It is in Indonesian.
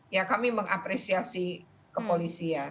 ya kami mengapresiasi kepolisian